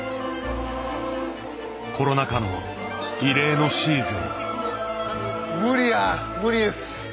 コロナ禍の異例のシーズン。